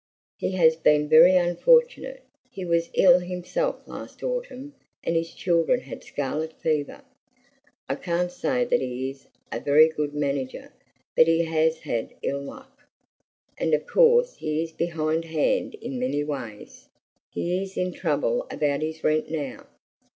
He has been very unfortunate. He was ill himself last autumn, and his children had scarlet fever. I can't say that he is a very good manager, but he has had ill luck, and of course he is behindhand in many ways. He is in trouble about his rent now.